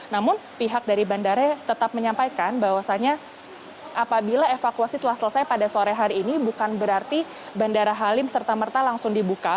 namun pihak dari bandara tetap menyampaikan bahwasannya apabila evakuasi telah selesai pada sore hari ini bukan berarti bandara halim serta merta langsung dibuka